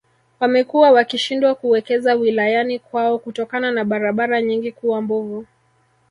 Wamekuwa wakishindwa kuwekeza wilayani kwao kutokana na barabara nyingi kuwa mbovu